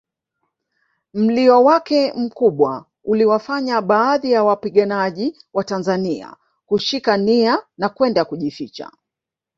Mlio wake mkubwa uliwafanya baadhi ya wapiganaji watanzania kushika nia na kwenda kujificha